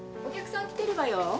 お客さん来てるわよ。